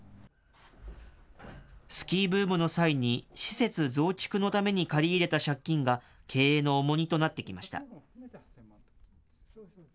スキーブームの際に施設増築のために借り入れた借金が、経営の重荷となってきました。